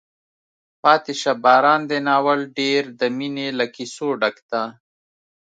پاتې شه باران دی ناول ډېر د مینې له کیسو ډک ده.